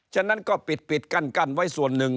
ฉะนั้นก็ปิดกั้นไว้ส่วนหนึ่ง